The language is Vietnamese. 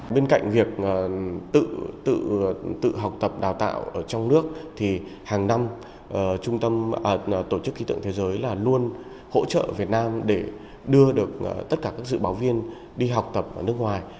bên cạnh việc tự học tập đào tạo ở trong nước thì hàng năm tổ chức khí tượng thế giới là luôn hỗ trợ việt nam để đưa được tất cả các dự báo viên đi học tập ở nước ngoài